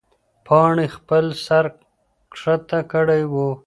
پاڼې خپل سر ښکته کړی و.